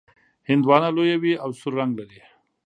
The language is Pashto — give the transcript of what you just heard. هندواڼه لویه وي او سور رنګ لري.